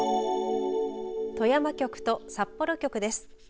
富山局と札幌局です。